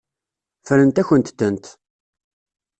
Ffrent-akent-tent.